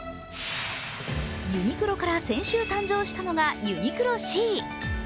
ユニクロから先週誕生したのがＵＮＩＱＬＯ：Ｃ。